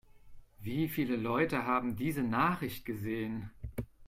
Wie viele Leute haben diese Nachricht gesehen?